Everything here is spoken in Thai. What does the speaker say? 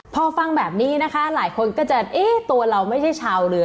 พอฟังแบบนี้นะคะหลายคนก็จะเอ๊ะตัวเราไม่ใช่ชาวเรือ